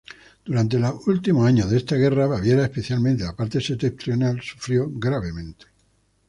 Durante los últimos años de esta guerra Baviera, especialmente la parte septentrional, sufrió gravemente.